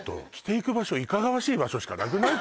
いかがわしい場所しかなくない？